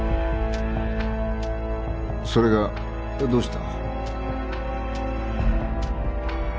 それがどうした？